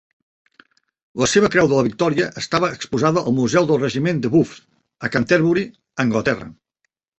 La seva Creu de la Victòria estava exposada al Museu del Regiment de Buffs, a Canterbury, Anglaterra.